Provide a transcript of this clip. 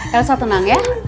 elsa tenang ya